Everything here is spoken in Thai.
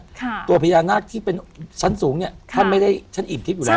ตัวพญานาคที่เป็นชั้นสูงเนี้ยท่านไม่ได้ฉันอิ่มทิพย์อยู่แล้ว